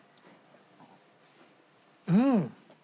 うん！